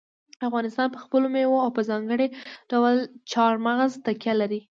افغانستان په خپلو مېوو او په ځانګړي ډول چار مغز تکیه لري.